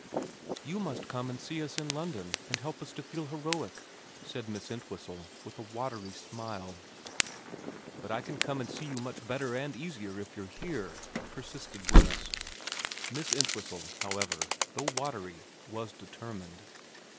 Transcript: ' You must come and see us in London and help us to feel heroic,' said Miss Entwhistle, with a watery smile. 4 But I can come and see you much better and easier if you're here,' persisted Wemyss. Miss Entwhistle, however, though watery, was determined.